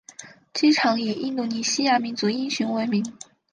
机场以印度尼西亚民族英雄为名。